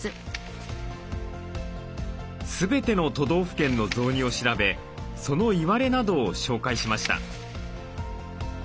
全ての都道府県の雑煮を調べそのいわれなどを紹介しました。